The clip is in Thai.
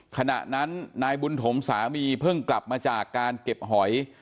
ขณะนั้นนายบุญถมสามีเพิ่งกลับมาจากการเก็บหอย